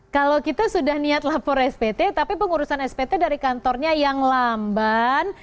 kalau kita sudah niat lapor spt tapi pengurusan spt dari kantornya yang lamban